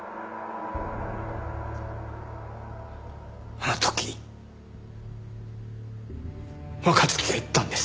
あの時若月が言ったんです。